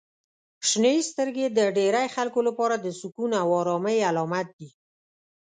• شنې سترګې د ډیری خلکو لپاره د سکون او آرامۍ علامت دي.